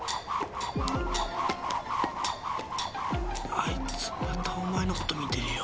・あいつまたお前のこと見てるよ。